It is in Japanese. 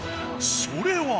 ［それは］